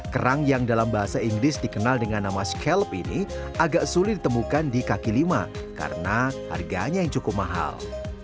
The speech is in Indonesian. kerang yang dalam bahasa inggris dikenal dengan nama scallp ini agak sulit ditemukan di kaki lima karena harganya yang cukup mahal